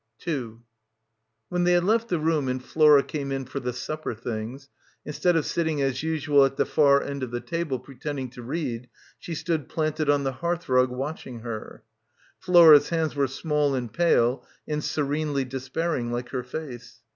When they had left the room and Flora came in for the supper things, instead of sitting as usual at the far end of the table pretending to read, she stood planted on the hearthrug watching her. Flora's hands were small and pale and serenely despairing like her face.